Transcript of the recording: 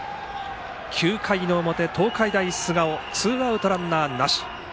９回の表、東海大菅生ツーアウト、ランナーなし。